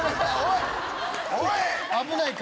おい！